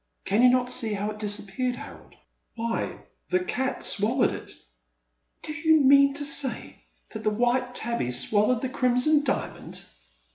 Can you not see how it disappeared, Harold? Why, the cat swallowed it !"Do you mean to say that the white tabby swal lowed the Crimson Diamond